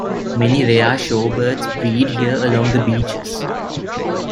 Many rare shore birds breed here along the beaches.